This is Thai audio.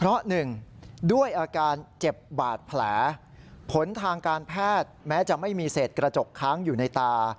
เพราะหนึ่งด้วยอาการเจ็บบาดแผลผลทางการแพทย์แม้จะไม่มีเศษกระจกค้างอยู่ในตา